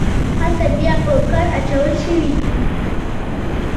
هلته بیا په کار اچول شوي دي.